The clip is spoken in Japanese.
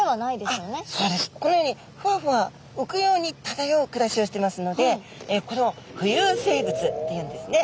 このようにふわふわうくように漂う暮らしをしていますのでこれを浮遊生物っていうんですね。